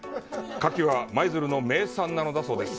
牡蠣は舞鶴の名産なのだそうです。